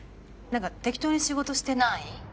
何か適当に仕事してない？